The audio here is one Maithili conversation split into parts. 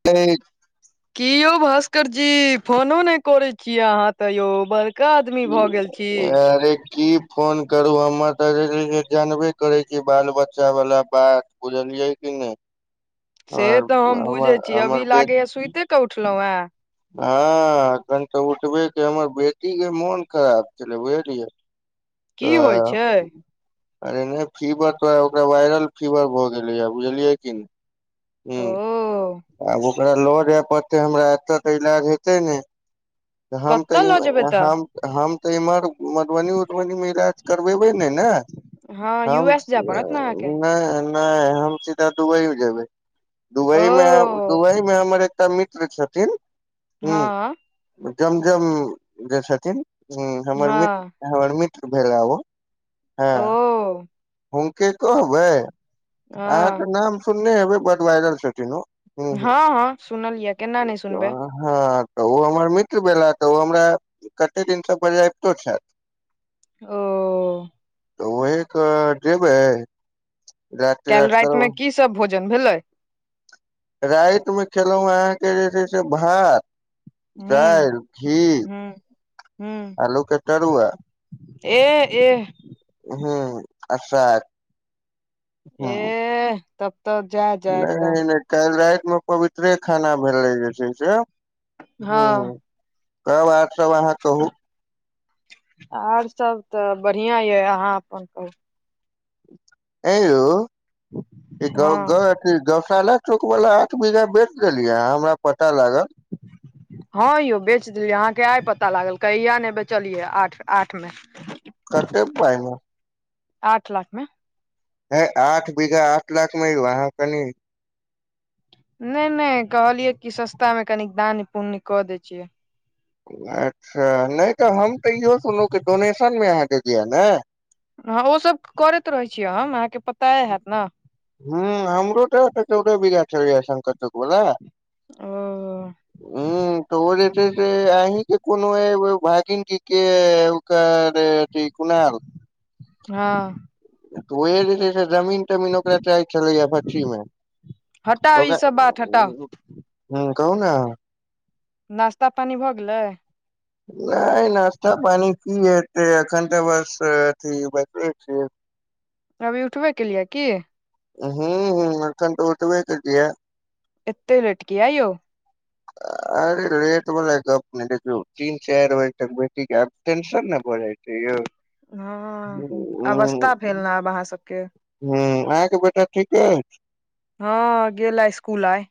[unintelligible] की यौ भास्कर जी फोनो नै करे छियै अहाँ तऽ यौ बड़ क आदमी की भऽ गेल छी अरे की फोन करू हमर तऽ जे से जानबे करे छी बाल बच्चा वाला बात बुझलियै कि नै से तऽ हम बुझे छी हमर अभी बे लागेए सुतै कऽ उठलौ है हँ एखन तऽ उठबे केँ हमर बेटी केँ मोन खराब छलै बुझलियै [unintelligible] छै [unintelligible] अरे नै फीवर तो ओकरा वायरल फीवर भऽ गेलैया बुझलियै की नै [inaudible] हु ओ आब ओकरा लऽ जाय पड़ते हमरा एतय तऽ ईलाज हेते नै हम कतऽ तऽ लऽ जेबै [unintelligible] तऽ हम तऽ इमहर मधुबनी उधबनी में इलाज करबेबै नै न हँ [unintelligible] हम यू एस जाय पड़त ने अहाँके नै नहि हम सीधा दुवई मे जेबै ओ दुवई मे एहिमे हमर एकटा मित्र छथिन हँ हू जम जम जे छथिन हा हमर हँ मित्र हमर मित्र भेला ओ ह ओ हुनक कहबै हँ अहाँकेँ नाम सुनने हेबै बड वायरल छथिन ओ ह ह सुनलियै केना नहि सुनबै हा तऽ ओ हमर मित्र भेला तऽ ओ हमरा कते दिनसँ बजैबतो छैल। ओ। तऽ ओहेकात जैबे। काइल राइत मे कि सभ भोजन भेलै। राइत मे खेलौ अहाँकेँ जे छै से भात। हूँ दाइल घी हूँ हूँ आलु के तरुआ। एह एह हू अस एह तब तब जा जा नहि एकदम नहि काल्हि राति मे पवित्रे खाना भेलै जे छै से हू हँ तऽ आर सभ सब अहाँ कहू ओर सभ तऽ बढ़िआ यऽ अहाँ अपन कहू आए ई हँ घर गौशाला चौक वाला आठ बीघहा बेच देलियै अहाॅं हमरा पता लागल। हाॅ यौ बेच देलियै अहाँके आय पता लागल कहिया ने बेचलियै आठ आठ मे कते पाई मे। आठ लाख में। है आठ बीघहा आठ लाख में यो आहाॅं कनी। नै नै कहलियै कि सस्ता मे कनि दान पुण्य कऽ दै छियै अच्छा नै तऽ हम तऽ इहो सुनलो कि डोनेशन मे अहाँकेँ दिआ ने। हा ओ सभ करैत रहै छियै हम अहाँकेँ पता हैत न। हु हमरो तऽ त चौदह बीघहा छलै या शंकर चौक वाला। ओ हु तऽ ओ जे छै से आहे के। कोनो ए भागिनी के ओकर हा वेहे जे छै से जमीन तमीन ओकरा चाह छलैय भछी मे हटाउ ई ओकरा सब बात हटाउ हु कहू ने अहाॅं। नास्ता पानी भऽ गिलै। नैय नास्ता पानी कि हते एखन तऽ बस एतहि बैठले छियै। अभी उठबे केलियेय कि हु हु अखन तऽ उठबे कतियै। एते लेट किया यो। [inaudible] अरे लेट वला गप्प नहि देखियौ तीन चाइर बजे तक बैठिके आब टेशन ने भऽ जाय छै यौ। हाॅ अवस्था भेल नै आब अहाँ सभके। हु अहाॅं के बेटा ठीक अछि। हा गेला स्कुल आय।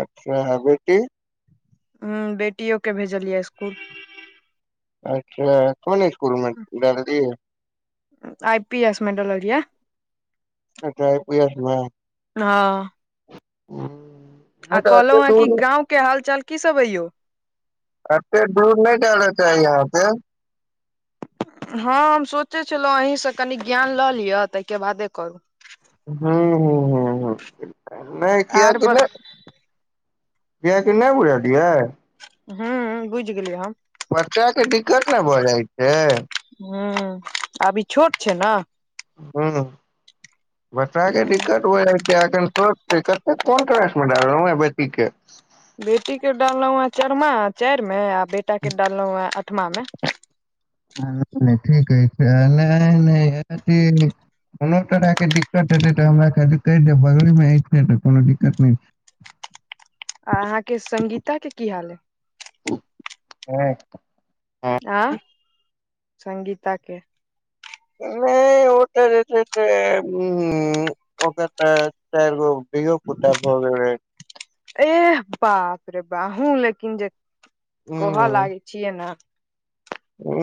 अच्छा आ बेटी। हु बेटियो के भेजलियै स्कुल। अच्छा कोन इस्कुल मे डाल लियै। आइ पी एस मे डललिया। अच्छा आइ पी एस मे हाॅं। हुं। आ कहलौ हें की गाँंव के हाल चाल की सब अय यौ अते दुर नै डाल चाही यहाॅं के। हाॅं हम सोचै छलौ अहिसॅं कनी ज्ञान लऽ लिअ तैके बादे करू। हुं हुं हुं हुं नै किया आर की ने बत कियाकी नै बुझलियाय। हूं हूँ बुइझ गेलियै हम। बच्चा के दिक्कत ने भऽ जाइ छै, हूँ आब ई छोट छै न हूँ बच्चाक दिक्कत को क मे बे के [unintelligible] बेटी के डाललौ हें चरमा चारि मे आ बेटा के डाललौ हें आठमा मे नै नै ठीक अईछ नै नै ठीक कोनो तरह के दिक्कत हेतै तऽ हमरा खाली कैह देब बगले मे एछै तऽ कोनो दिक्कत नै छै आहाँके संगीता के की हाल यै हुं अय। [unintelligible] आँ संगीता के। नै ओतै रहै छै। ऐ ऊं। बता एह बाप रे बा अहू लेकिन जे ह कहऽ लागै छियै न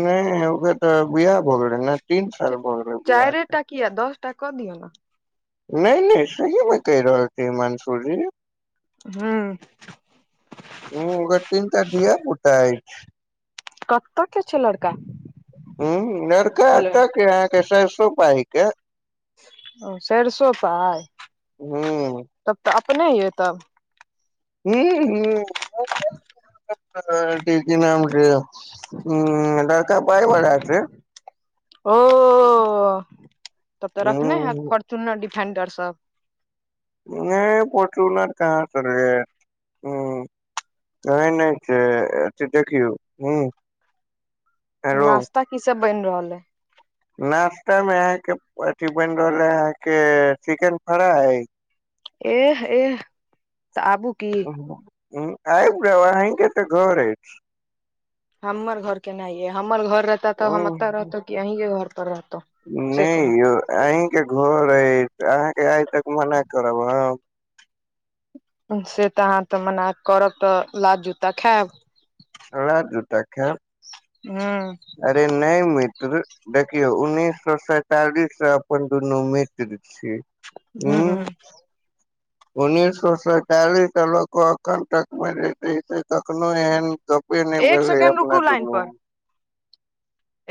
नै ओकर तऽ बआ भोल रहे [unintelligible] चारिटा किया दसटा कऽ दिअ न नै नै सही मे कहि रहल छी मंसू जी हूँ। हूँ ओकरा तीनटा ढाया पुटा एछ कतके छै लड़का हूँ नरका ले एत के अहाँ के सरसो पाही के ओ सरिसो पाएह, ह तब तऽ अपने यइ तब हूँ हूँ [unintelligible] हूँ लरका पाय बला छै ओ तब तऽ ह रखने हएत फोर्चुनर डिफेंडर सब नै फर्चूनर कहाँ स [unintelligible] नै नै से अथी देखियौ हूँ नास्ता की सब बैन रहल अई नाास्ता मे अहाँके अथी बनि रहल आ अहाँके चिकेन फ्राय एह एह तऽ आबू की हूँ हूँ आईब जाव अीही के तऽ घर एछ हमर घर केनायै हमर घर रहता तऽ हम एतऽ रहतौ कि अहींके घर पर रहतौ नै यौ अहींके घर अछि अहाँके आइ तक मना करब हम से तऽ अहाँ तऽ मना करब तऽ लात जूता खायब, अरा जुता खा हा अरे नहि मित्र देखियौ उन्नीस सए सैतालिस से अपन दुनू मित्र छी, हू। उन्ननीस सए सैतालिस अल को अख तक मे कखनो एहन गपे नहि एक भेल रहे सेकेंड अपना रुकू लाइन दुन पर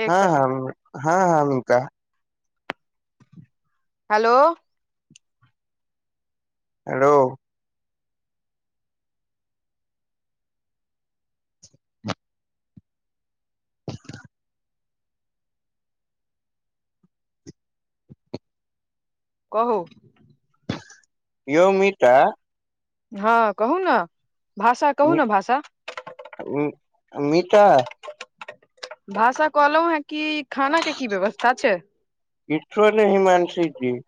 एक हँ सेकेंड हँ ह अिका हेलो। हेलो। कहू यौ मीथा ह कहू ने भाषा कहू ने भाषा मीटा भाषा कहलँ है कि खाना के कि व्यवस्था छै। ईश्वर ही मानसी छीय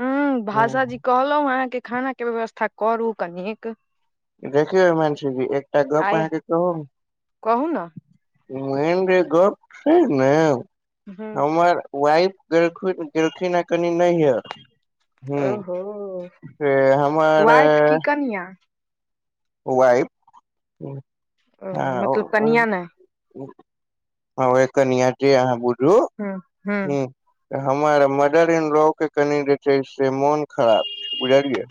हा भाष जी कहलहु अहाँकेँ खाना के व्यवस्था करू कनिक देखियौ मंसीजी एकटा गप आय अहाँकेँ कहू कहू न मेन जे गप छै ने ह हमर वाइफ गेलखिन या कनि नहियर ओहो से हमर वाइफ कि कनिया वाइफ हँ ओ मतलब कनिया नहि हा कनिया जे अहाँ बुझू ह हमर मदर इन ला के कनि जे छै से मोन खराब छै बुझलियै,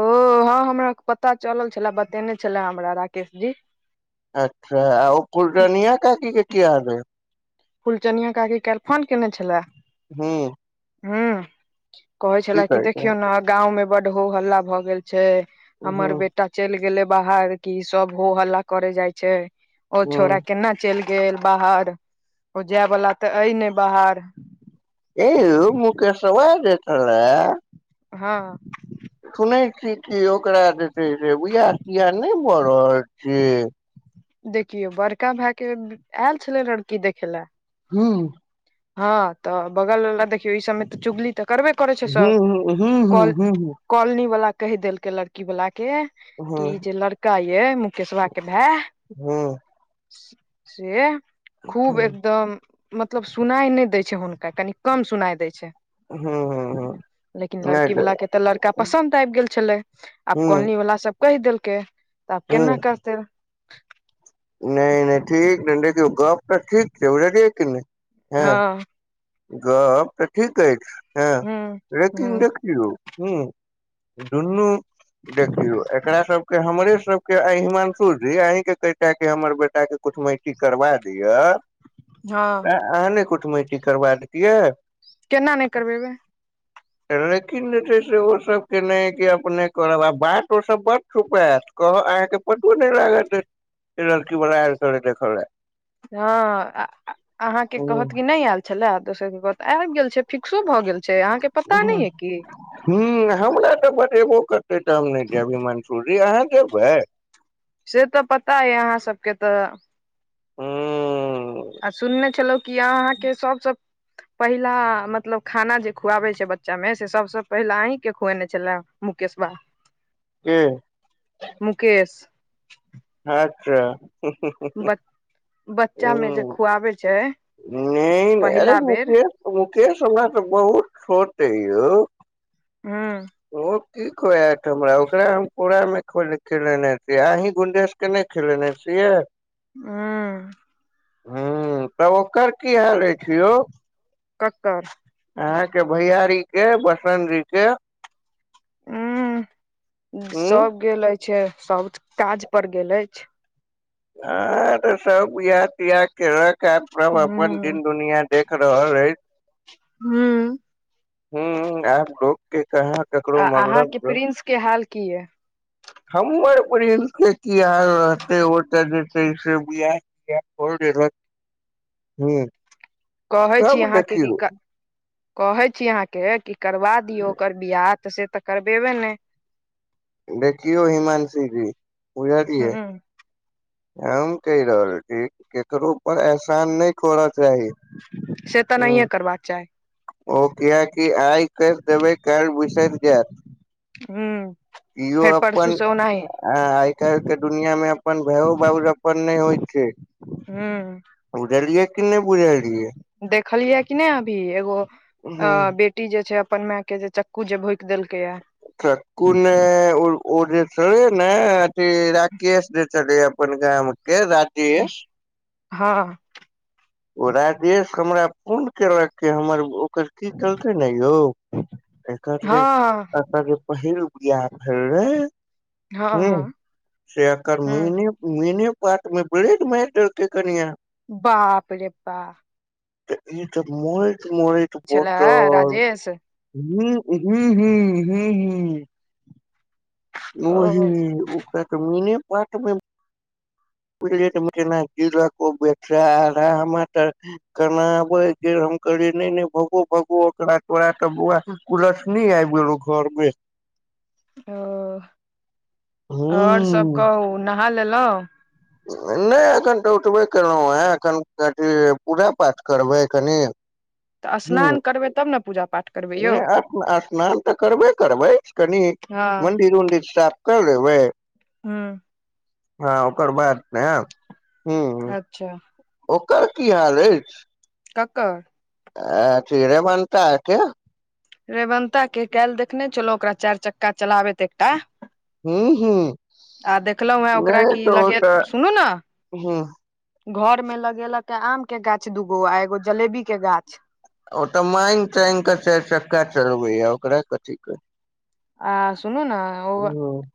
ओ ह हमरा पता चलल छलए बतेने छले हमरा राकेश जी। अच्छा आ ओ फुलरा निया काकि किआ हल कुलचनिय काकी आके काल्हि फोन केयने छलए हू। हू कहे छल कि कहै छै देखियौ ना गाव बड हो हल्ला भए गेल छै ह हमर बेटी बेटा चलि गेलै बाहर कऽ सभ हो हल्ला करे जाइ छै ओ ह छौड़ केना चलि गेल बाहर। ओ जाय वाला तऽ अइ ने बाहर एौ मुकेश वा जे छैला ह सुनै छी कि ओकरा जे छै से विहा तिहा नहि भऽ रहल छिय देखिऔ बड़का भाय के आयल छले लड़की देखे ल हू। ह तऽ बगलवाला देखियौ ई सभमे तऽ चुगली तऽ करबे करे छै हू सभ हू हू कल हू हू कॉलनी वाला कहि देलकै लड़की वाला के हू कि ई जे लड़का ये मुकेश बा के भाय हू से खूब हू एकदम मतलब। सुनाई नय दै छै हुनका कनि कम सुनाई देय छै हू हू ह लेकिन लड़की वला के तऽ लड़का पसंन्द आबि गेल छलै आब हू कॉलोनी वाला सब कहि देलकै तऽ आब केना करते नय नय ठीक देखियौ गप तऽ ठीक बभुजालिये कि नय हँ गप तऽ ठीक अछि ह हूँ हूँ लेकिन देखि यौ ह दुनू देखियौ एकरा सबके हमरे सबके एहिमान स जी अहीं के कटा के हमर बेटा के कुछ मटी करबा दिअ हँ तऽ अहाँने कुटुमटी करबा देतियै केना नय करबेबै लेकिन जे छै से ओ सब केने कि अपने करब आ बात ओ सब बड़ छुपत कह अहाँके पतो नय लाग देत लड़की बला आयल देखऽ ल ह अहाँ के कहत की लए नय आयल छले आ दोसर के कहत आबि गेल छै फिक्सो भऽ गेल छै अहाँ के हु हमरा तऽ बतेबो करत से त हम नय जैब हीमंसू जी अहाँ जेबै से तऽ पता यै अहाँ सबके हु आ सुनने छलहुँ कि अहाँके सबसँ पहिला मतलब खाना जे खुआबै छै बच्चा मे से सबसँ पहिल अहींके खुएने छला मुकेशबा के मुकेश अच्छा हुहुहु ब बच्चा में जे खुआबे छै नहि नहि अरे पहिला बेर मुकेश मुकेश हमरा तऽ बहुत सोत है यौ। हँ ओ की कहत हमरा ओकरा हम पूरा मे खो खनेेने छी अहीं गुंडस के ने खेलेने छियै हँ ह तब ओकर की हाल छै यौ ककर अहाँ के भैयारी के बसंजी के ह हूँ सब गेल अछि साउथ काज पर गेल अछि आ तऽ स बिहा तिआ केलक या सब अपन हूं दिन दुनिया देख रहल अछि हूं ह आब लोक के कहाँ। ककरो आ अहा मतलब के बा। प्रिन्स के हाल की ये। हमर परल के की हाल रहते ओ जे छै से बिहा तिहा क लेलक ह। कहै छी अहाँ के की, कहै छी अहाँके कि करबा दियौ ओकर बियाह तऽ से तऽ करबेबे ने। देखियौ हिमांशी जी बुझालिये हूं हम कहि रहल छी केकरो पर एहसान नय करा चाही से तऽ नहिये करबाक चाही ओ किया कि आइ कऽ देबै कार बिसरि जायत। हू इो अपन। आ आइ काल्हि के दुनिया मे अपन भयो बाबज अपन नहि होइ छै। हूँ बुझलियै कि नहि बुझलियै। देखलियै कि नहि अभी एगो आ हूँ बेट। कुट्ट जे छै अपन माय के जे चक्कू जे भोक देलकै या। चक्कू ने ओ जे चल ने अथि राकेश जे चल। कोनकम के राजेश ह ओ राजेश हमरा पूर्ण केलक के हमर ओकर। कि कलकै ने यौ एकर जे हँ ए जे पहिल बआ। भेले हँ हा हँ से आर ह मुहिनी। मने पात मे ब्रेड मार देलकै कनिया। बाप रे बाप तऽ ई तऽ मरैत मरैत तऽ छलै बचत राजेश ह हू हू हू। ओ ओहि ओकरा तऽ मेने पर्त मे झलना ज बे आ तऽ। [unintelligible] केना आबै हम करिय नहि भगो भगो ओकरा तोरा तऽ बुआ। कुलक्छिनी आबि गेलौ घरमे। ओ ओर हूं सभ कहू नहा लेलहुँ। नहि एखन तऽ उठबे केलहुँ हँ एखन अथी पूजा पाठ करबै कनि। तऽ हूं स्नान करबै तब ने पूजा पाठ। करबै यौ नहि स्नान तऽ करबे करबै कनि हँ मंन्दिर उदिर साफ। क ने भै। हँ। ह ओकर बात नेहैब अच्छा। ओकर कि हाल अछि। ककर आ रेवंता के रेवंता के काल्हि देखने छलो ओकरा चारि चक्का चलाबैत एकटा। हूं हूं आ देखलहुँ हे ओकरा नहि कि तऽ ओ तऽ लगेल सुनू ने हूं घर मे लगेलक आम के गाछ दूगो आ एगो जलेबी के गाछ ओ तऽ मागि तागि कऽ चारि चक्का चलबैया ओकरा कथी क आ सुनू ने ओ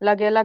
लगेल कऽ